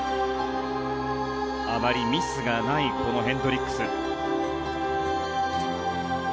あまりミスがないこのヘンドリックス。